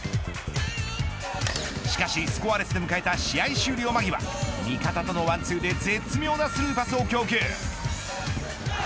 しかしスコアレスで迎えた試合終了間際味方とのワンツーで絶妙なスルーパスを供給。